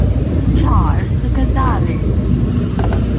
Charles Casali